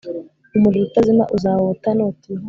Umuriro utazima uzawota nutihana